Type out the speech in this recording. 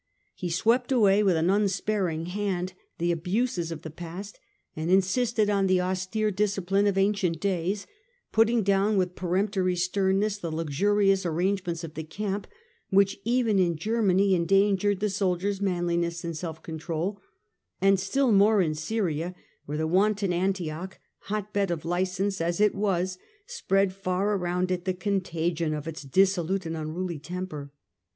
He swept away with an unsparing hand the abuses of the past, and insisted on the austere discipline of ancient days, putting down with peremptory sternness the luxurious arrangements of the camp, which even in Germany endangered the soldier's manliness and self control, and still more in Syria, where the wanton Antioch, hot bed of licence as it was, spread far around it the contagion of its dissolute and unruly temper.